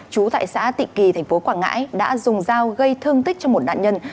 chú tại xã tị kỳ tp quảng ngãi đã dùng dao gây thương tích cho một đạn nhân